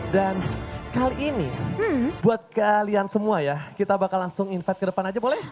dan kali ini buat kalian semua ya kita bakal langsung invite ke depan aja boleh